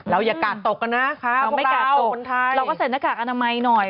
เราอย่ากาศตกนะค่ะเราไม่กล้าวเราก็ใส่หน้ากากอนามัยหน่อย